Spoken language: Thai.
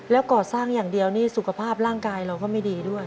แล้วก่อสร้างอย่างเดียวนี่สุขภาพร่างกายเราก็ไม่ดีด้วย